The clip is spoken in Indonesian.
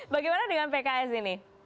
bagaimana dengan pks ini